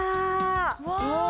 うわ！